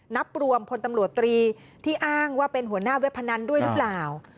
นับรวมพลตำรวจตรีที่อ้างว่าเป็นหัวหน้าเว็บพนันด้วยหรือเปล่า